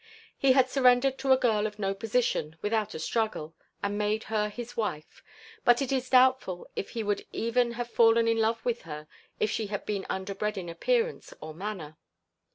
He had surrendered to a girl of no position without a struggle, and made her his wife, but it is doubtful if he would even have fallen in love with her if she had been underbred in appearance or manner.